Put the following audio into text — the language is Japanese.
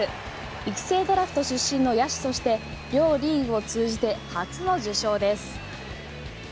育成ドラフト出身の野手として両リーグを通じて初の受賞です。